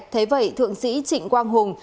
thế vậy thượng sĩ trịnh quang hùng